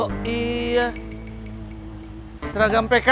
oh iya seragam pkk ya